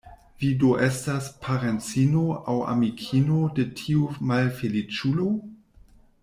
Vi do estas parencino aŭ amikino de tiu malfeliĉulo?